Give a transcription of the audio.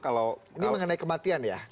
ini mengenai kematian ya